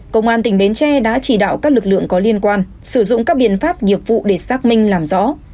công an tỉnh bến tre đã chỉ đạo các lực lượng có liên quan sử dụng các biện pháp nghiệp vụ để xác minh làm rõ